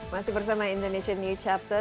masih bersama indonesian news chapter